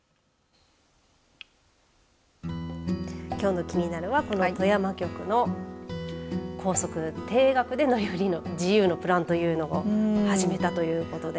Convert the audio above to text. きょうのキニナル！は富山局の高速、定額で乗り降り自由のプランというのを始めたということで。